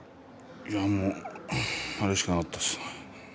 いやもうあれしかなかったです。